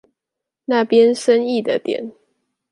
那邊生意的點